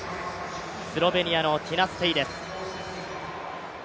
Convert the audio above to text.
スロベニアのティナ・ステイです。